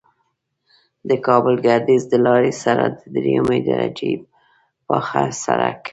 د کابل گردیز د لارې سره د دریمې درجې پاخه سرک